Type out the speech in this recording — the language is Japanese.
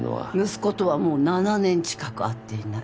息子とはもう７年近く会っていない。